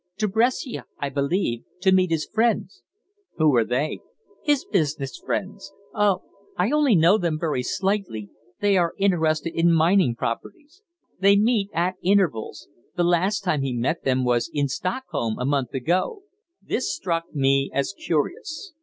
"To Brescia, I believe to meet his friends." "Who are they?" "His business friends. I only know them very slightly; they are interested in mining properties. They meet at intervals. The last time he met them was in Stockholm a month ago." This struck me as curious.